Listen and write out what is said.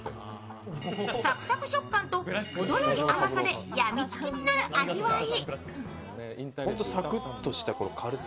サクサク食感とほどよい甘さで病みつきになる味わい。